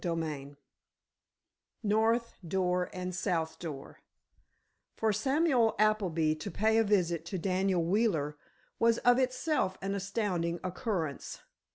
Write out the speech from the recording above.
CHAPTER II NORTH DOOR AND SOUTH DOOR For Samuel Appleby to pay a visit to Daniel Wheeler was of itself an astounding occurrence.